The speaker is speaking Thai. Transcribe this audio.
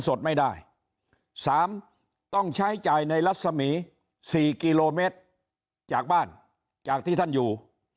สดไม่ได้๓ต้องใช้จ่ายในรัศมี๔กิโลเมตรจากบ้านจากที่ท่านอยู่